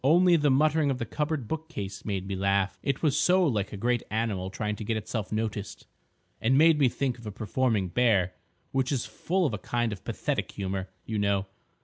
"Only the muttering of the cupboard bookcase made me laugh. It was so like a great animal trying to get itself noticed, and made me think of a performing bear—which is full of a kind of pathetic humour, you know.